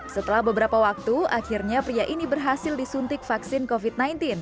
setelah beberapa waktu akhirnya pria ini berhasil disuntik vaksin covid sembilan belas